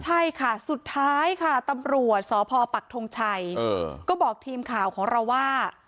ใช่ค่ะสุดท้ายค่ะตำรวจสพปักทงชัยก็บอกทีมข่าวของเราว่า